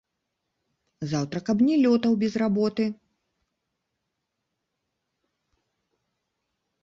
Заўтра каб не лётаў без работы!